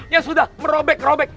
yang sudah merobek robek